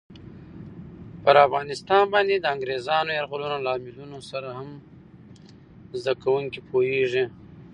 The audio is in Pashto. پر افغانستان باندې د انګریزانو یرغلونو لاملونو سره هم زده کوونکي پوهېږي.